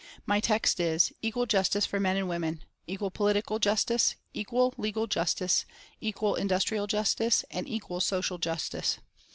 My text is: 'Equal justice for men and women, equal political justice, equal legal justice, equal industrial justice, and equal social justice.'